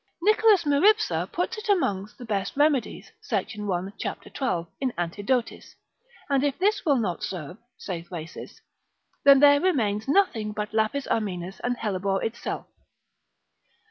Nicholas Meripsa puts it amongst the best remedies, sect. 1. cap. 12. in Antidotis; and if this will not serve (saith Rhasis) then there remains nothing but lapis armenus and hellebore itself.